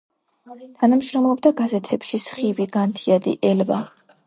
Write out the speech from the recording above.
თანამშრომლობდა გაზეთებში: „სხივი“, „განთიადი“, „ელვა“.